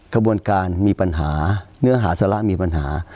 กระบวนการมีปัญหาเนื้อหาสาระมีปัญหา